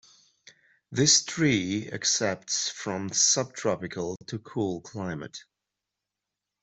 This tree accepts from subtropical to cool climate.